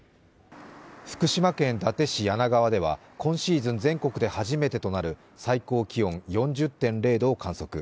福島県伊達市梁川では今シーズン全国で初めてとなる最高気温４０．０度を観測。